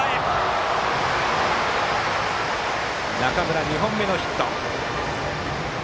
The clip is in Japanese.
中村、これが２本目のヒット。